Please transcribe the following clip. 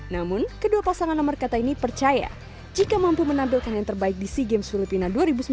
namun kedua pasangan nomor kata ini percaya jika mampu menampilkan yang terbaik di sea games filipina dua ribu sembilan belas